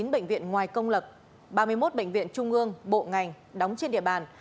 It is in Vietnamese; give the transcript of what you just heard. chín bệnh viện ngoài công lập ba mươi một bệnh viện trung ương bộ ngành đóng trên địa bàn